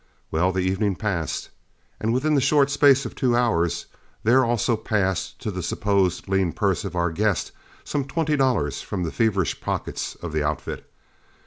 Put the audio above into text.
Well, the evening passed, and within the short space of two hours, there also passed to the supposed lean purse of our guest some twenty dollars from the feverish pockets of the outfit.